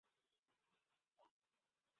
ওর একটা ব্যাপার নিয়ে ভাবা উচিৎ।